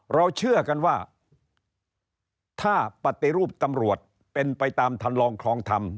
เราเชื่อกันว่าถ้าปฏิรูปตำรวจเป็นไปตามทันลองคลองธรรม